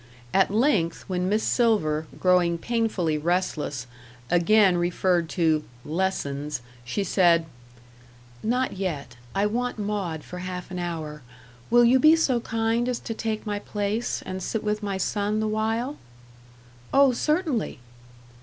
At length, when Miss Silver, growing painfully restless, again referred to "lessons," she said: "Not yet. I want Maud for half an hour. Will you be so kind as to take my place, and sit with my son the while?" "Oh, certainly!"